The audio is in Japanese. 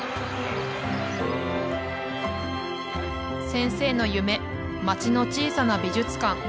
先生の夢町の小さな美術館。